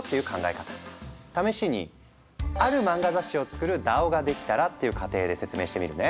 試しに「ある漫画雑誌を作るＤＡＯができたら」っていう仮定で説明してみるね。